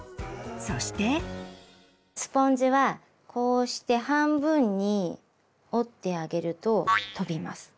スポンジはこうして半分に折ってあげると飛びます。